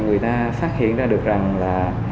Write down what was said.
người ta phát hiện ra được rằng là